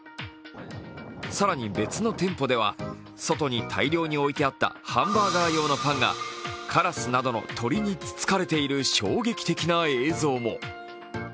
さらに別の店舗では外に大量においてあったハンバーガー用のパンがカラスなどの鳥につつかれている衝撃的な映像も。